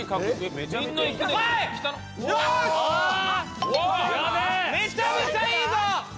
めちゃめちゃいいぞ！